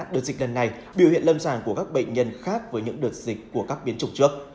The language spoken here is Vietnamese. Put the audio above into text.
đợt dịch lần này biểu hiện lâm sàng của các bệnh nhân khác với những đợt dịch của các biến chủng trước